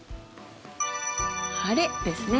晴れですね。